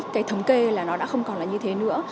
cái thống kê là nó đã không còn là như thế nữa